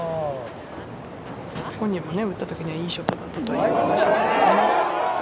本人も打ったときにいいショット打ったと言っていました。